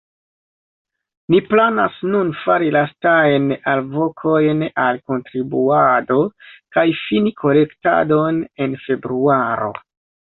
Ni planas nun fari lastajn alvokojn al kontribuado kaj fini kolektadon en februaro.